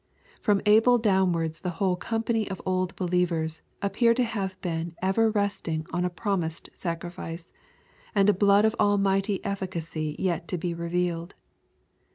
From Abel down wards the whole company of old believers appear to have been ever resting on a promised sacrifice, and a blood of almighty efficacy yet to be revealed.